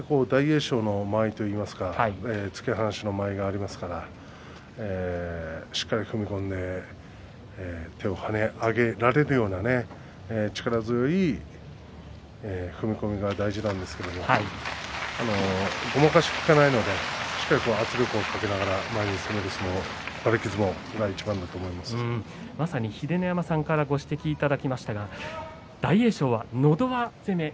やはり大栄翔の間合いといいますか突き放しの間合いがありますからしっかり踏み込んで手を跳ね上げられるような力強い踏み込みが大事なんですけれどもごまかし効かないのでしっかり圧力をかけながら前に攻めると馬力相撲がまさに秀ノ山さんからご指摘をいただきましたが大栄翔はのど輪攻め。